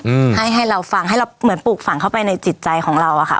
อืมให้ให้เราฟังให้เราเหมือนปลูกฝังเข้าไปในจิตใจของเราอะค่ะ